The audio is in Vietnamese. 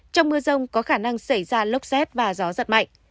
trong mưa rông có khả năng xảy ra lốc xét và gió giật mạnh